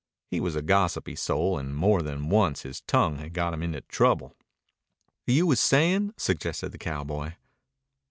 He was a gossipy soul, and more than once his tongue had got him into trouble. "You was sayin' " suggested the cowboy.